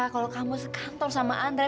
kalau kamu sekantor sama anda